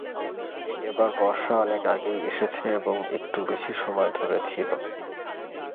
এবার বর্ষা অনেক আগেই এসেছে এবং একটু বেশি সময় ধরে ছিল।